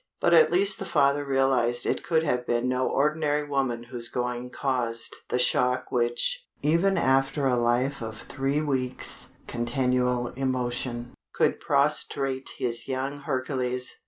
But at least the father realised it could have been no ordinary woman whose going caused the shock which even after a life of three weeks' continual emotion could prostrate his young Hercules.